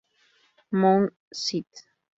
Mount St.